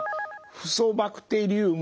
フソバクテリウム？